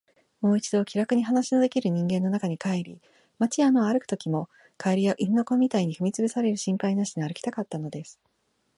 もう一度、気らくに話のできる人間の中に帰り、街や野を歩くときも、蛙や犬の子みたいに踏みつぶされる心配なしに歩きたかったのです。